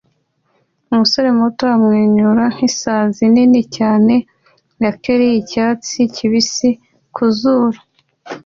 Umusore muto amwenyura nk'isazi nini cyane ya kelly icyatsi kibisi ku zuru